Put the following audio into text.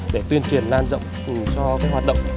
để tuyên truyền lan rộng cho các hoạt động